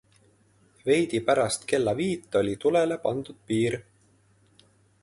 Veidi pärast kella viit oli tulele pandud piir.